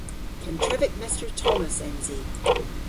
Kentrevek Mester Tomos ens i.